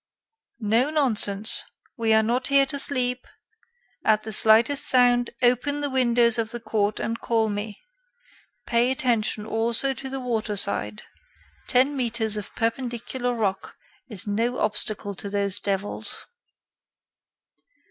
"No nonsense! We are not here to sleep. At the slightest sound, open the windows of the court and call me. Pay attention also to the water side. Ten metres of perpendicular rock is no obstacle to those devils."